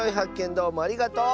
どうもありがとう！